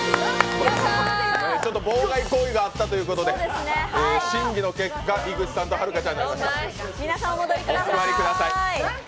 ちょっと妨害行為があったということで、審議の結果、井口さんとはるかさんになりました、お座りください。